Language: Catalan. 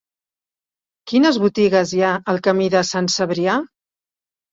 Quines botigues hi ha al camí de Sant Cebrià?